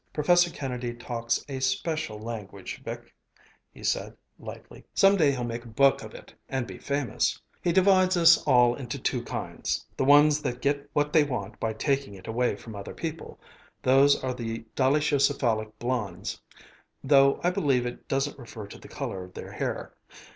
"Professor Kennedy talks a special language, Vic," he said lightly. "Some day he'll make a book of it and be famous. He divides us all into two kinds: the ones that get what they want by taking it away from other people those are the dolichocephalic blonds though I believe it doesn't refer to the color of their hair.